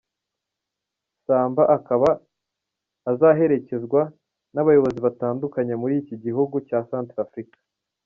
Samba akaba azaherekezwa n’abayobozi batandukanye muri iki gihugu cya Cantrafrika.